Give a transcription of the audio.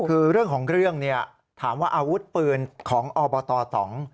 คือเรื่องของเรื่องเนี่ยถามว่าอาวุธปืนของอบตตอง